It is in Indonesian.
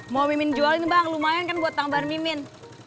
mau mimin jualin bang lumayan kan buat tambahin mimin